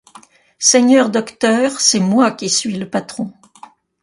Seigneur docteur, c’est moi qui suis le patron.